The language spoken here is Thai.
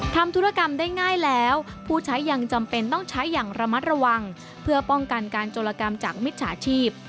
ธุรกรรมได้ง่ายแล้วผู้ใช้ยังจำเป็นต้องใช้อย่างระมัดระวังเพื่อป้องกันการโจรกรรมจากมิจฉาชีพ